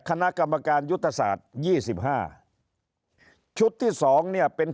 ๑ขณะกรรมการยุทธศาสตร์๒๕